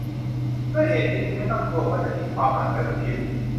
ด้วยเหตุนี้จึงไม่ต้องกลัวว่าจะทิ้งความมันไว้บนผิว